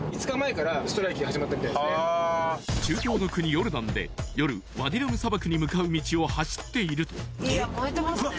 ヨルダンで夜ワディ・ラム砂漠に向かう道を走っているとうわ